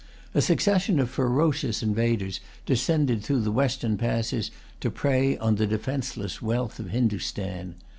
A succession of ferocious invaders descended through the western passes, to prey on the defenceless wealth of Hindostan.